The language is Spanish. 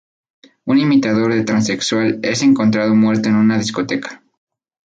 Un imitador de transexual es encontrado muerto en una discoteca.